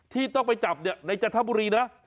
ที่ต้องไปจับในจันทบุรีนะ